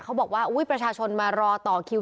บอกว่าอุ๊ยประชาชนมารอต่อคิว